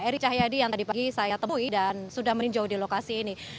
eri cahyadi yang tadi pagi saya temui dan sudah meninjau di lokasi ini